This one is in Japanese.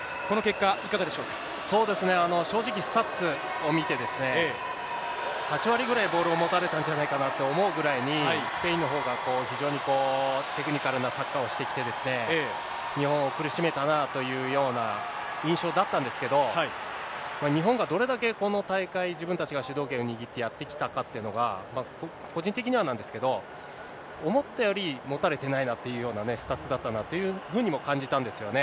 そうですね、正直、スタッツを見て、８割ぐらいボールを持たれたんじゃないかなと思うぐらいに、スペインのほうが非常にテクニカルなサッカーをしてきて、日本を苦しめたなというような印象だったんですけど、日本がどれだけこの大会、自分たちが主導権を握ってやってきたかっていうのが、個人的にはなんですけど、思ったより持たれてないなというようなスタッツだったなっていうふうにも感じたんですよね。